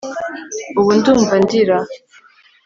ubu ndumva ndira